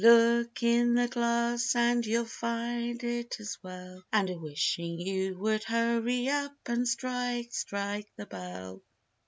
Look in the glass and you'll find it as well, And a wishing you would hurry up and strike, strike the bell!